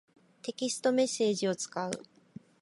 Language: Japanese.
テキストメッセージを使う。